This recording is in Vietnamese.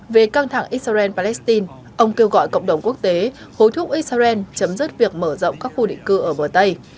về căng thẳng israel palestine ông kêu gọi cộng đồng quốc tế hối thúc israel chấm dứt việc mở rộng các khu định cư ở bờ tây